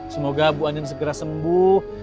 semoga bu anyan segera sembuh